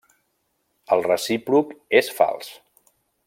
El recíproc és fals.